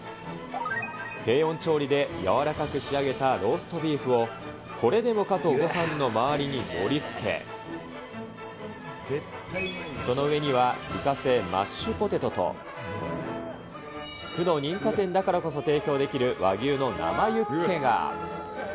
低温調理で柔らかく仕上げたローストビーフを、これでもかとごはんの周りに盛りつけ、その上には、自家製マッシュポテトと、区の認可店だからこそ提供できる和牛の生ユッケが。